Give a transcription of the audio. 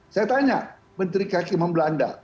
saya tanya menteri kaki membelanda